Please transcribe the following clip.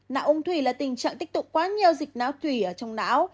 não uống thủy là tình trạng tích tụ quá nhiều dịch não thủy ở trong não